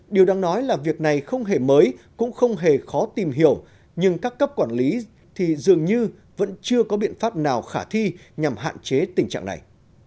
điều đang nói là việc này không hề mới cũng không hề khó tìm hiểu nhưng các cấp quản lý thì dường như vẫn chưa có biện pháp nào khả thi nhằm hạn chế tình trạng này